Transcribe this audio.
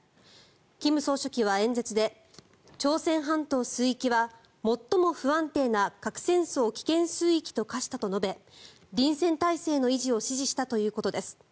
金総書記は演説で朝鮮半島水域は最も不安定な核戦争危険水域と化したと述べ臨戦態勢の維持を指示したということです。